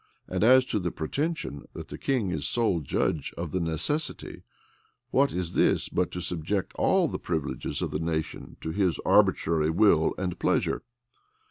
And as to the pretension, that the king is sole judge of the necessity, what is this but to subject all the privileges of the nation to his arbitrary will and pleasure?